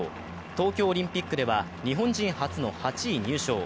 東京オリンピックでは、日本人初の８位入賞。